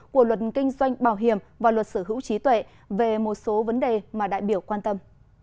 của luật kinh doanh bảo hiểm và luật sở hữu trí tuệ về một số vấn đề mà đại biểu quan tâm